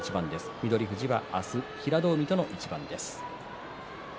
翠富士は明日は平戸海との一番です。